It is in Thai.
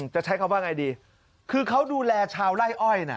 จะใช้คำว่าไงดีคือเขาดูแลชาวไล่อ้อยน่ะ